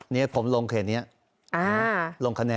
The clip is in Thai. นี่ผมลงเขตนี้ลงคะแนน